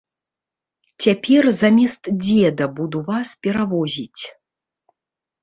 Цяпер замест дзеда буду вас перавозіць.